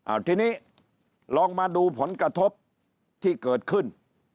เอาทีนี้ลองมาดูผลกระทบที่เกิดขึ้น